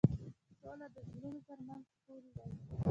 سوله د زړونو تر منځ پُل دی.